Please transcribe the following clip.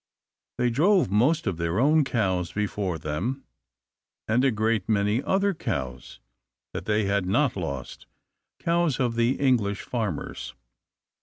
They drove most of their own cows before them, and a great many other cows that they had not lost; cows of the English farmers.